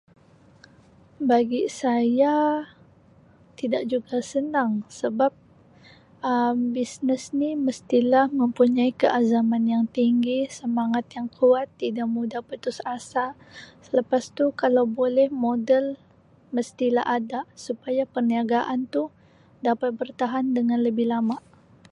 "Bagi saya tidak juga senang sebab Um ""business"" ni mestilah mempunyai keazaman yang tinggi, semangat yang kuat, tidak mudah putus asa. Selepas tu kalau boleh modal mestilah ada supaya perniagaan tu dapat bertahan dengan lebih lama. "